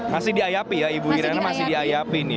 masih diayapi ya ibu irina masih diayapi ini